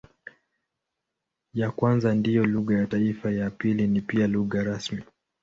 Ya kwanza ndiyo lugha ya taifa, ya pili ni pia lugha rasmi.